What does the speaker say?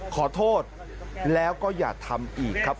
ขอโทษแล้วก็อย่าทำอีกครับ